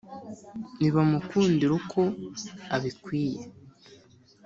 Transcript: nibamukundire uko abikwiye